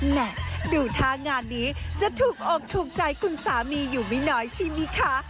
ดูท่างานนี้จะถูกอกถูกใจคุณสามีอยู่ไม่น้อยใช่ไหมคะ